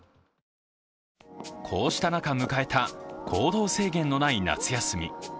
こうした中、迎えた行動制限のない夏休み。